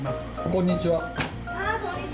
こんにちは。